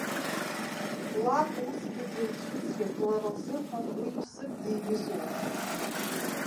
Лаб усгьы дылцәыӡхьеит, лара лзыҳәан уи ԥсык диҩызоуп.